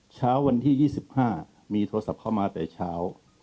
เช้าวันที่๒๕มีโทรศัพท์เข้ามาแต่เช้า